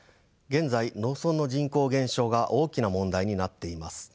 現在農村の人口減少が大きな問題になっています。